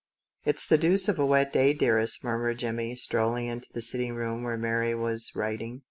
" It's the deuce of a wet day, dearest," murmured Jimmie, strolling into the little room where Mary was writing.